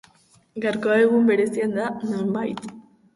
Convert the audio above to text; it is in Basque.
Gaurkoa egun berezia da nonbait.